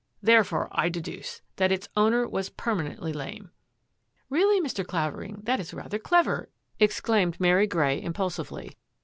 Therefore I deduce that its owner was permanently lame." " Really, Mr. Clavering, that is rather clever !" exclaimed Mary Grey impulsively.